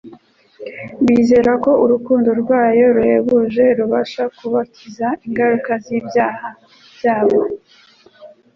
bizera ko urukundo rwayo ruhebuje rubasha kubakiza ingaruka z'icyaha cyabo